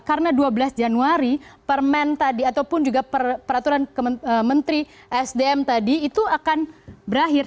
karena dua belas januari permen tadi ataupun juga peraturan menteri sdm tadi itu akan berakhir